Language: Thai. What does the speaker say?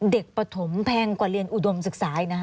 ปฐมแพงกว่าเรียนอุดมศึกษาอีกนะฮะ